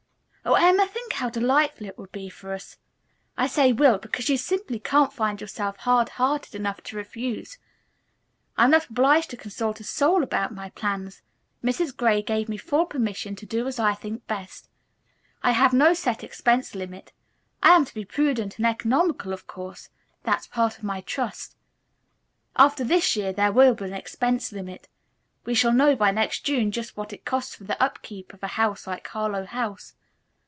Oh, Emma, think how delightful it will be for us! I say 'will' because you simply can't find yourself hard hearted enough to refuse. I'm not obliged to consult a soul about my plans. Mrs. Gray gave me full permission to do as I think best. I have no set expense limit. I am to be prudent and economical, of course; that's part of my trust. After this year there will be an expense limit. We shall know by next June just what it costs for the up keep of a house like Harlowe House.